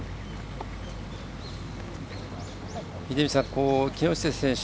秀道さん、木下選手